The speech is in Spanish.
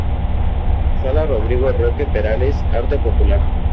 Sala Rodrigo Roque Perales: Arte Popular.